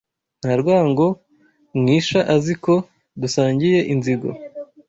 Nta rwango mwisha Azi ko dusangiye inzigo